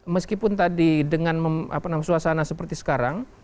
meskipun tadi dengan suasana seperti sekarang